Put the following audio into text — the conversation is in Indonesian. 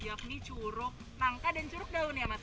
yakni curug nangka dan curug daun ya mas